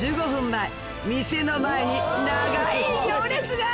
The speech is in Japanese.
前店の前に長い行列が！